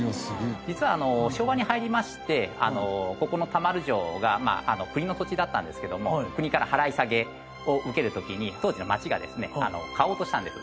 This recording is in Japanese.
実は昭和に入りましてここの田丸城が国の土地だったんですけども国から払い下げを受ける時に当時の町がですね買おうとしたんです。